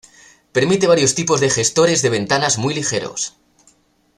Permite varios tipos de gestores de ventanas muy ligeros.